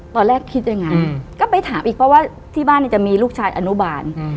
ตอนแรกคิดยังไงก็ไปถามอีกเพราะว่าที่บ้านจะมีลูกชายอนุบาล